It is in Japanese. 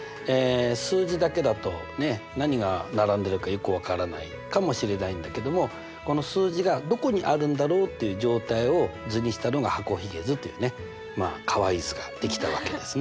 数字だけだと何が並んでるかよく分からないかもしれないんだけどもこの数字がどこにあるんだろうっていう状態を図にしたのが箱ひげ図というねまあかわいい図ができたわけですね。